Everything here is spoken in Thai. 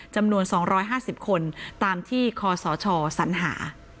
จำนวน๒๕๐คนตามที่คศสัญหา